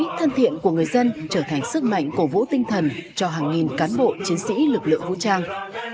sự gần gũi thân thiện của người dân trở thành sức mạnh cổ vũ tinh thần cho hàng nghìn cán bộ chiến sĩ lực lượng vũ trang